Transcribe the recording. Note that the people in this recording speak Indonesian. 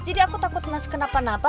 jadi aku takut mas kenapa napa